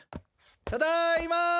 ただいま！